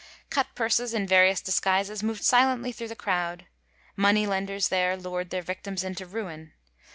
Gutpurses in various disguises moved silently thru the crowd. Moneylenders there lured their victims into ruin.